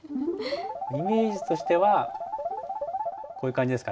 イメージとしてはこういう感じですかね。